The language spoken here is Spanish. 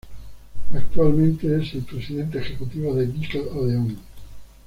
Actualmente es El Presidente Ejecutivo de Nickelodeon.